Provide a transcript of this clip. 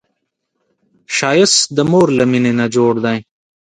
ښایست د مور له مینې نه جوړ دی